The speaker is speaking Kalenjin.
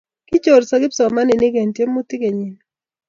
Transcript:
kichoorso kipsomaninik eng' tyemutik kenyini